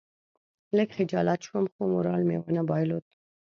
لږ خجالت شوم خو مورال مې ونه بایلود.